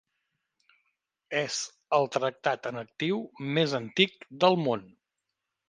És el tractat en actiu més antic del món.